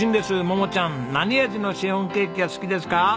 桃ちゃん何味のシフォンケーキが好きですか？